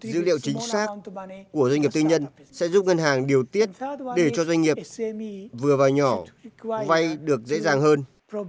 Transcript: dữ liệu chính xác của doanh nghiệp tư nhân sẽ giúp ngân hàng điều tiết để cho doanh nghiệp vừa và nhỏ vay được dễ dàng hơn